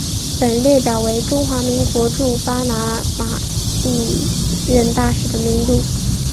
本列表为中华民国驻巴拿马历任大使的名录。